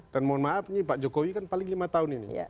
dan mohon maaf nih pak jokowi kan paling lima tahun ini